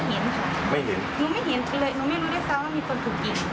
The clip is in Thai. ไม่เห็นค่ะหนูไม่เห็นเลยหนูไม่รู้ได้ซ้ำว่ามีคนถูกยิง